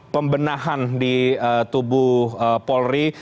pembenahan di tubuh polri